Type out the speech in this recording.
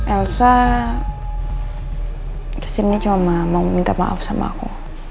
elsa kesini cuma mau minta maaf sama aku